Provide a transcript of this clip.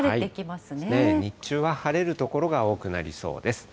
日中は晴れる所が多くなりそうです。